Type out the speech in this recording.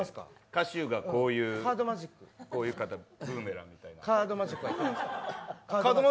カシューがこういうブーメランみたいな。